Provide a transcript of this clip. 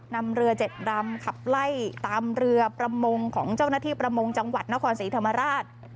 นำเรือ๗ลำขับไล่ตามเรือประมงของเจ้าหน้าที่ประมงจังหวัดนครศรีธรรมราช